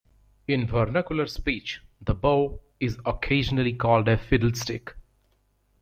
In vernacular speech the bow is occasionally called a "fiddlestick".